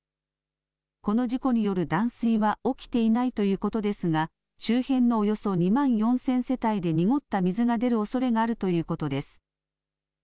この事故による断水は起きていないということですが周辺のおよそ２万４０００世帯で濁った水が出るおそれがあるということです。